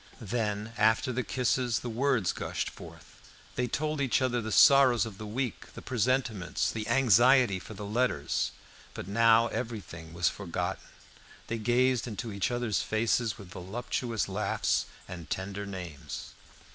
Then, after the kisses, the words gushed forth. They told each other the sorrows of the week, the presentiments, the anxiety for the letters; but now everything was forgotten; they gazed into each other's faces with voluptuous laughs, and tender names.